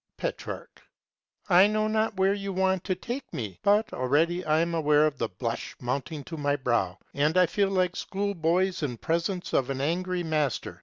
Petrarch. I know not where you want to take me, but already I am aware of the blush mounting to my brow, and I feel like schoolboys in presence of an angry master.